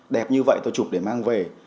đẹp như vậy tôi chụp để mang về